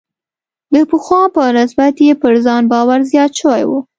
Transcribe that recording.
د پخوا په نسبت یې پر ځان باور زیات شوی و.